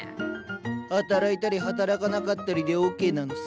働いたり働かなかったりでＯＫなのさ。